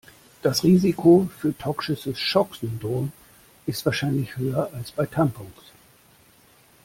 Das Risiko für toxisches Schocksyndrom ist wahrscheinlich höher als bei Tampons.